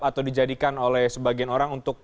atau dijadikan oleh sebagian orang untuk